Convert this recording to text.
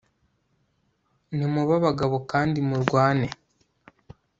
nimube abagabo kandi murwane